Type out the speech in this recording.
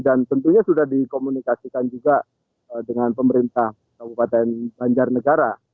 dan tentunya sudah dikomunikasikan juga dengan pemerintah kabupaten banjarnegara